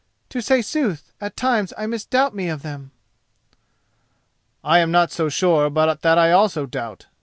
To say sooth, at times I misdoubt me of them." "I am not so sure but that I also doubt.